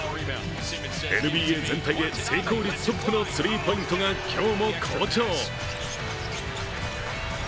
ＮＢＡ全体で成功率トップのスリーポイントが今日も好調。